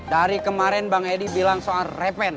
dari kemarin bang edi bilang soal reven